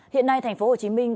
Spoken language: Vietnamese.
hiện nay thành phố hồ chí minh